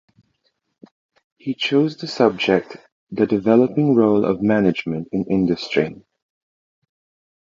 He chose the subject 'The Developing Role of Management in Industry'.